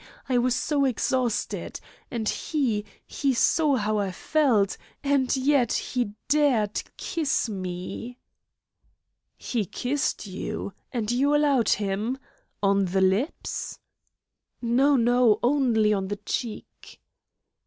I was so exhausted. And he he saw how I felt and yet he dared kiss me." "He kissed you! And you allowed him? On the lips?" "No, no! Only on the cheek."